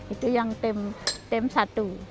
itu yang tim satu